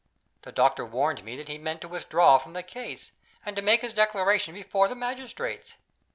The doctor warned me that he meant to withdraw from the case, and to make his declaration before the magistrates.